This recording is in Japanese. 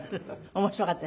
面白かった。